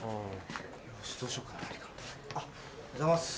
おはようございます。